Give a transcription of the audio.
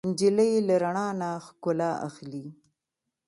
نجلۍ له رڼا نه ښکلا اخلي.